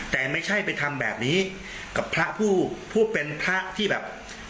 แต่ไม่ใช่ไปทำแบบนี้กับพระผู้ผู้เป็นพระที่แบบ